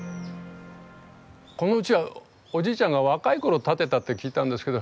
このうちはおじいちゃんが若い頃建てたって聞いたんですけど